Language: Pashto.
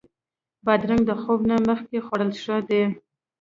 بادرنګ د خوب نه مخکې خوړل ښه دي.